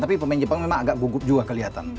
tapi pemain jepang memang agak gugup juga kelihatan